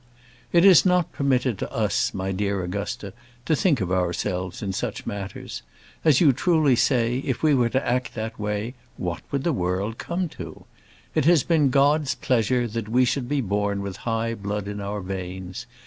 It is not permitted to us, my dear Augusta, to think of ourselves in such matters. As you truly say, if we were to act in that way, what would the world come to? It has been God's pleasure that we should be born with high blood in our veins.